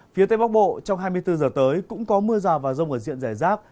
phía tây bắc bộ trong hai mươi bốn giờ tới cũng có mưa rào và rông ở diện giải rác